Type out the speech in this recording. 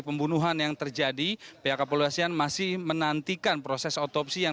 pembunuhan yang terjadi pihak kepolisian masih menantikan proses otopsi yang